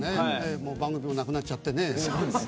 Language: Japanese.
番組もなくなっちゃってね。